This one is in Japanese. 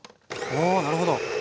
おなるほど。